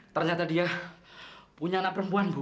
ternyata dia punya anak perempuan bu